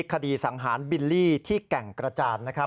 คดีสังหารบิลลี่ที่แก่งกระจานนะครับ